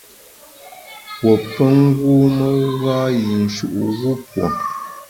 Pue pe ngûme ngâ-yinshu’ wupue.